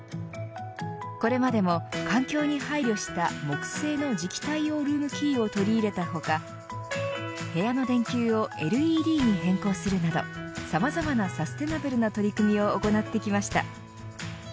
これまでも環境に配慮した木製の磁気対応ルームキーを取り入れた他部屋の電球をＬＥＤに変更するなどさまざまなサステナブルな取り組みを行ってきました。